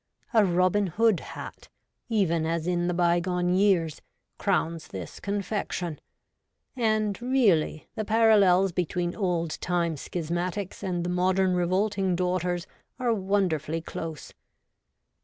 A ' Robin Hood' hat, even as in the bygone years, crowns this confection ; and. 44 REVOLTED WOMAN. really, the parallels between old time schismatics and the modern revolting daughters are wonderfully close.